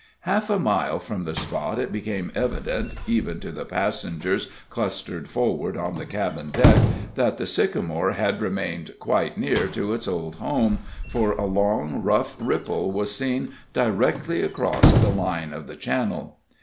Half a mile from the spot it became evident, even to the passengers clustered forward on the cabin deck, that the sycamore had remained quite near to its old home, for a long, rough ripple was seen directly across the line of the channel.